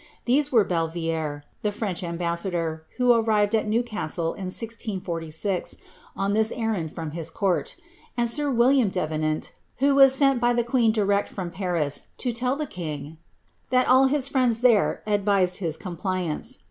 These were Bellievre, the French ambassador, who arrived at Newcastle in 1616, on this errand from his court; and sir Wdiiam Davenant, who was sent by the queen direct from Paris to tell the king ^ that all his friends lliere advised his compliance."